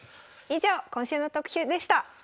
以上今週の特集でした。